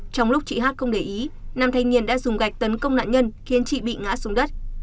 trong lúc chị hát không để ý nam thanh niên đã dùng gạch tấn công nạn nhân khiến chị bị ngã xuống đất